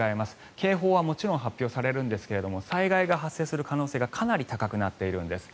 警報はもちろん発表されるんですが災害が発生する可能性がかなり高くなっているんです。